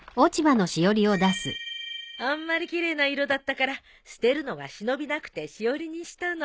あんまり奇麗な色だったから捨てるのが忍びなくてしおりにしたの。